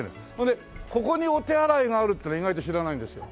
でここにお手洗いがあるっていうのは意外と知らないんですよ。